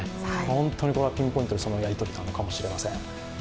本当にこれはピンポイントにそれぐらい大事なのかもしれません。